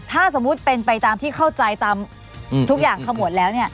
ถ้าสมมุติเป็นไปตามที่เข้าใจตามทุกอย่างขมวดแล้ว